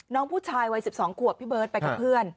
น้องผู้ชายวัย๑๒ขวบพี่เบิร์ตไปกับเพื่อน